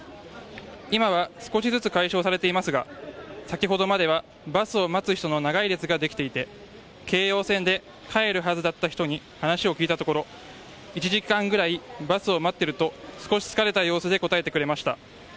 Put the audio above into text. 今は少しずつ解消されていますが先ほどまではバスを待つ人の長い列ができていて京葉線で帰るはずだった人に話を聞いたところ１時間くらいバスを待っていると少し疲れた様子で答えてくれました。